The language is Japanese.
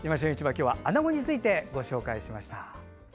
今日はアナゴについてお伝えしました。